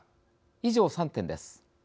以上３点です。